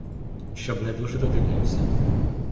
Щоб не дуже додивлявся.